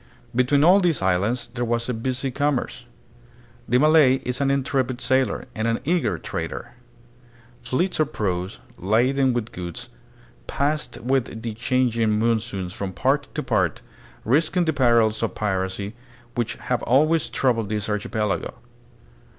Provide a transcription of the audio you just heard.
Between all these islands there was a busy commerce. The Malay is an intrepid sailor, and an eager trader. Fleets of praus, laden with goods, passed with the chang ing monsoons from part to part, risking the perils of piracy, which have always troubled this archipelago.